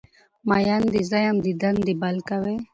مین دی زه یم دیدن دی بل کوی